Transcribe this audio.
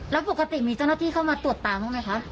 แล้วปกติมีเจ้าหน้าที่เข้ามาตรวจตามบ้างไหมคะ